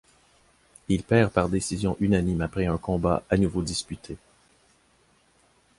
Il perd par décision unanime après un combat à nouveau disputé.